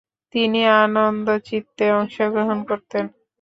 তিনি আনন্দচিত্তে অংশগ্রহণ করতেন।